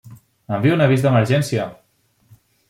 Envia un avís d'emergència!